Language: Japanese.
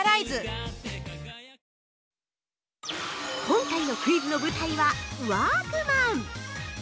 ◆今回のクイズの舞台はワークマン。